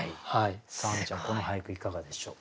亜美ちゃんこの俳句いかがでしょうか？